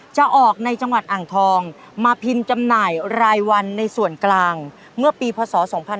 จะออกในจังหวัดอ่างทองมาพิมพ์จำหน่ายรายวันในส่วนกลางเมื่อปีพศ๒๕๕๙